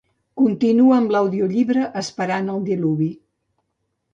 Continua amb l'audiollibre "Esperant el diluvi".